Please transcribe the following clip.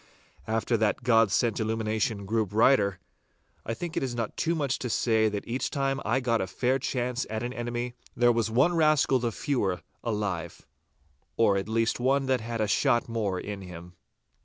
After that God sent illumination grew brighter, I think it is not too much to say that each time I got a fair chance at an enemy, there was one rascal the fewer alive—or at least one that had a shot the more in him.